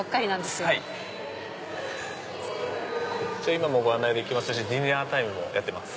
今もご案内できますしディナータイムもやってます。